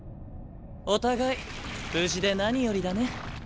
お互い無事で何よりだね。